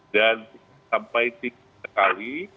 dan sampai tiga kali